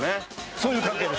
そういう関係です。